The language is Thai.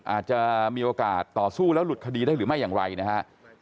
อาจจะมีโอกาสต่อสู้แล้วหลุดคดีได้หรือไม่อย่างไรนะฮะ